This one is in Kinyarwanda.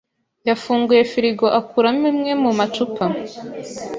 yafunguye firigo akuramo imwe mu macupa.